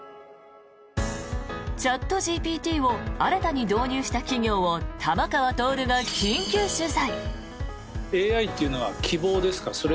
チャットＧＰＴを新たに導入した企業を玉川徹が緊急取材。